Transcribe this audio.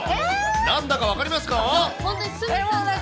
なんだか分かりますか？